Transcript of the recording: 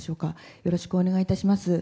よろしくお願いします。